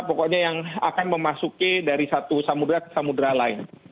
pokoknya yang akan memasuki dari satu samudera ke samudera lain